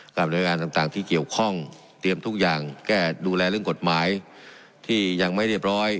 หน่วยงานต่างที่เกี่ยวข้องเตรียมทุกอย่างแก้ดูแลเรื่องกฎหมายที่ยังไม่เรียบร้อย